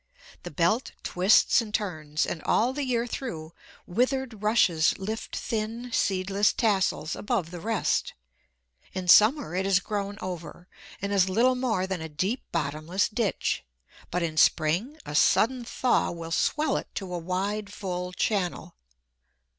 The belt twists and turns, and all the year through, withered rushes lift thin, seedless tassels above the rest. In summer it is grown over, and is little more than a deep bottomless ditch; but in spring, a sudden thaw will swell it to a wide, full channel.